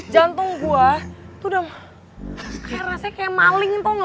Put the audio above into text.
jantung gue tuh udah kayak rasanya kayak maling tau gak